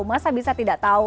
masa bisa tidak tahu